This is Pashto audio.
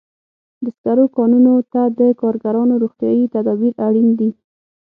د سکرو کانونو ته د کارګرانو روغتیايي تدابیر اړین دي.